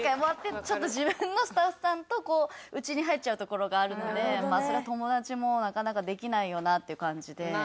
ちょっと自分のスタッフさんと内に入っちゃうところがあるのでそりゃ友達もなかなかできないよなっていう感じで。